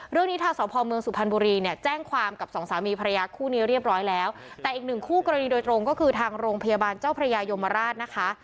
เรื่องนี้ทางสพเมืองสุพรรณบุรีเนี่ยแจ้งความกับสองสามีภรรยาคู่นี้เรียบร้อยแล้วแต่อีกหนึ่งคู่กรณีโดยตรงก็คือทางโรงพยาบาลเจ้าพระยายมราชนะคะ